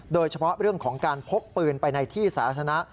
โดยเฉพาะเรื่องของการพกปืนไปในที่สาธารณะ